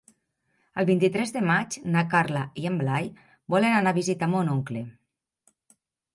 El vint-i-tres de maig na Carla i en Blai volen anar a visitar mon oncle.